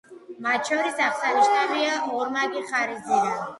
მათ შორის, აღსანიშნავია ორმაგი ხარისძირა.